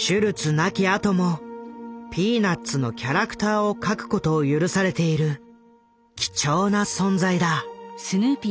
亡きあとも「ピーナッツ」のキャラクターを描くことを許されている貴重な存在だ。